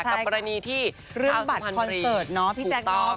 กับปรณีที่อาวุธภัณฑ์วรีเรื่องบัตรคอนเสิร์ตเนาะพี่แจ๊งเนาะ